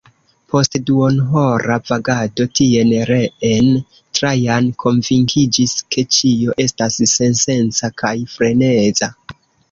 Post duonhora vagado tien, reen, Trajan konvinkiĝis, ke ĉio estas sensenca kaj freneza.